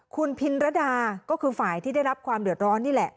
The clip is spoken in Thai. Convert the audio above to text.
คุณพินรดาก็คือฝ่ายที่ได้รับความเดือดร้อนนี่แหละ